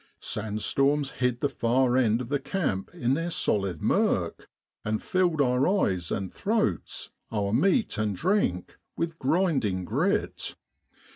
Sand storms hid the far end of the camp in their solid murk, and filled our eyes and throats, our meat and drink, with grinding grit.